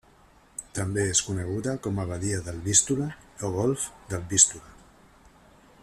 També és coneguda com a badia del Vístula o golf del Vístula.